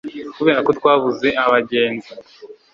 kubera ko twabuze abagenzi.